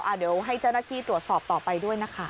เดี๋ยวให้เจ้าหน้าที่ตรวจสอบต่อไปด้วยนะคะ